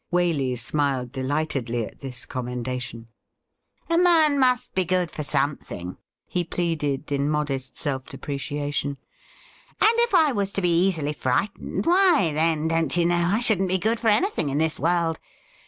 Waley smiled delightedly at this commendation. 'A man must be good for something,' he pleaded, in modest self depreciation ; 'and if I was to be easily frightened, why, then, don't you know, I shouldn't be good for anything in this world.